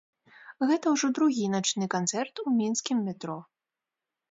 Гэта ўжо другі начны канцэрт у мінскім метро.